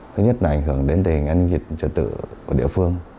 thứ nhất là ảnh hưởng đến tình hình an nhiệt trật tự của địa phương